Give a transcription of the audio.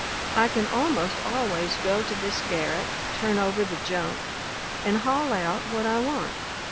I can almost always go to this garret, turn over the junk, and haul out what I want.